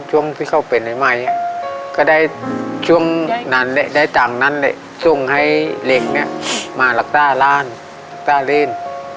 ช่วงที่เข้าเป็นใหม่ก็ได้จากนั้นเลยทรงให้เหรกมารักษาร้านรักษาเล่น